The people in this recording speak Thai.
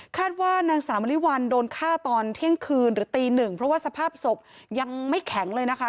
ว่านางสาวมริวัลโดนฆ่าตอนเที่ยงคืนหรือตีหนึ่งเพราะว่าสภาพศพยังไม่แข็งเลยนะคะ